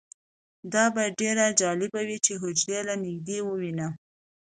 دا به ډیره جالبه وي چې حجرې له نږدې ووینو